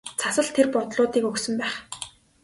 Цас л тэр бодлуудыг өгсөн байх.